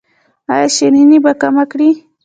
ایا شیریني به کمه کړئ؟